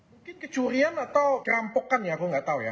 mungkin kecurian atau perampokan ya aku nggak tahu ya